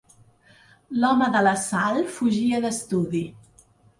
L'home de la sal fugia d'estudi.